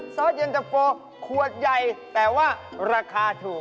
ซอสเย็นตะโฟขวดใหญ่แต่ว่าราคาถูก